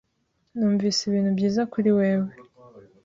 Numvise ibintu byiza kuri wewe.